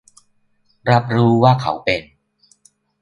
รับรู้ว่าเขาเป็น